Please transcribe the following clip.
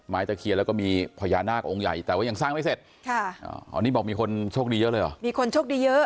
มายธเตอร์เคียแล้วก็มีพญานาคองค์ใหญ่แต่ก็อย่างสร้างไม่เสร็จ